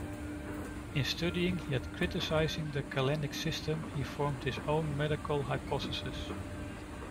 In studying yet criticizing the Galenic system, he formed his own medical hypotheses.